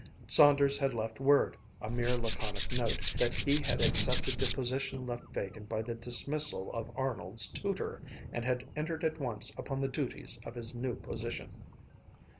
Saunders had left word, a mere laconic note, that he had accepted the position left vacant by the dismissal of Arnold's tutor, and had entered at once upon the duties of his new position.